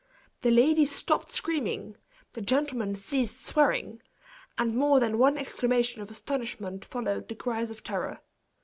The ladies stopped screaming, the gentlemen ceased swearing, and more than one exclamation of astonishment followed the cries of terror.